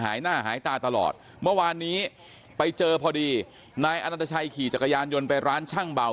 หน้าหายตาตลอดเมื่อวานนี้ไปเจอพอดีนายอนันตชัยขี่จักรยานยนต์ไปร้านช่างเบา